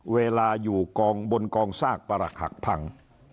เวลาอยู่กองบนกองซากประหลักหักพัง